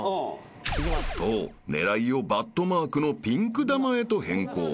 ［と狙いをバットマークのピンク球へと変更］